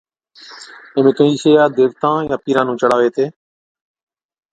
ايمھين ڪهِين شئِيا ديوتان يا پِيران نُون چڙھاوي ھِتي